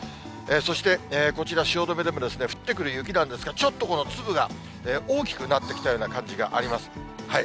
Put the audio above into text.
そして、こちら汐留でも、降ってくる雪なんですが、ちょっと粒が大きくなってきたような感じがあります。